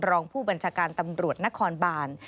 รองผู้บัญชาการตำรวจนครบาน